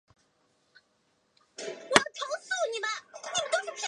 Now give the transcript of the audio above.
柄真寄居蟹为寄居蟹的一种。